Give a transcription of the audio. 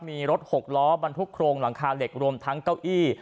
มีรถหกล้อบรรทุกโครงหลังคาเหล็กรวมทั้งเก้าอี้